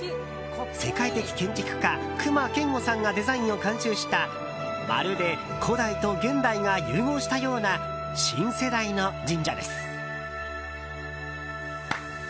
世界的建築家・隈研吾さんがデザインを監修したまるで古代と現代が融合したような新世代の神社です。